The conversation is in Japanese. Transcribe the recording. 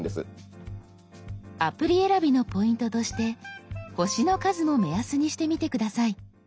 アプリ選びのポイントとして「星の数」も目安にしてみて下さい。